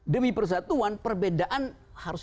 demi persatuan perbedaan harus